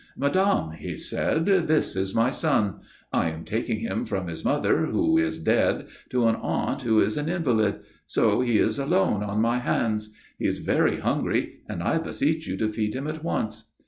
"Madame," he said, "this is my son. I am taking him from his mother, who is dead, to an aunt who is an invalid. So he is alone on my hands. He is very hungry, and I beseech you to feed him at once."